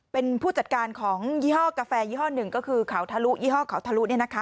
เป็นผู้จัดการของยี่ห้อกาแฟยี่ห้อหนึ่งก็คือเขาทะลุยี่ห้อเขาทะลุ